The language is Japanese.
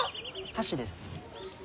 箸です。